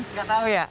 nggak tahu ya